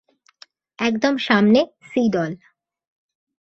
একদম সামনে সি দল।